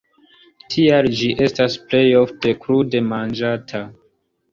Tial ĝi estas plej ofte krude manĝata.